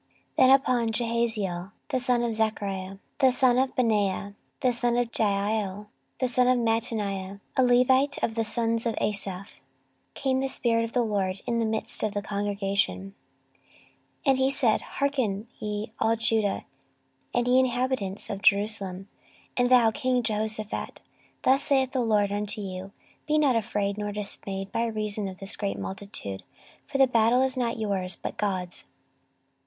14:020:014 Then upon Jahaziel the son of Zechariah, the son of Benaiah, the son of Jeiel, the son of Mattaniah, a Levite of the sons of Asaph, came the Spirit of the LORD in the midst of the congregation; 14:020:015 And he said, Hearken ye, all Judah, and ye inhabitants of Jerusalem, and thou king Jehoshaphat, Thus saith the LORD unto you, Be not afraid nor dismayed by reason of this great multitude; for the battle is not yours, but God's.